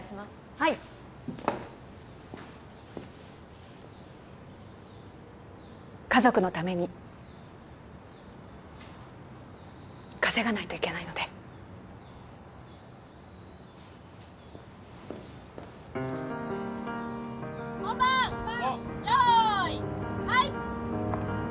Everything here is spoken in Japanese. はい家族のために稼がないといけないので・本番用意はい！